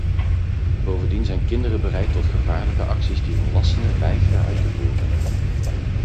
Bovendien zijn kinderen bereid tot gevaarlijke acties die volwassenen weigeren uit te voeren.